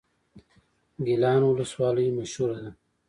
ګیلان ولسوالۍ مشهوره ده؟